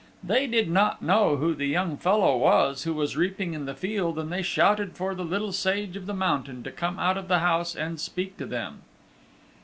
They did not know who the young fellow was who was reaping in the field and they shouted for the Little Sage of the Mountain to come out of the house and speak to them.